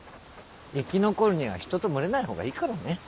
生き残るには人と群れない方がいいからね。